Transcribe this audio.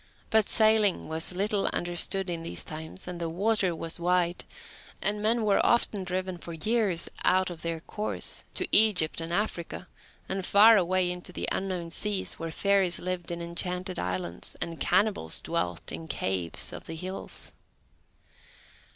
But sailing was little understood in these times, and the water was wide, and men were often driven for years out of their course, to Egypt, and Africa, and far away into the unknown seas, where fairies lived in enchanted islands, and cannibals dwelt in caves of the hills.